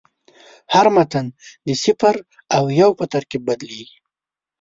هر متن د صفر او یو په ترکیب بدلېږي.